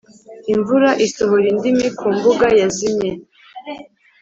imvura isohora indimi ku mbuga yazimye,